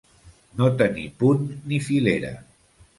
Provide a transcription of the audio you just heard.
No tenir punt ni filera.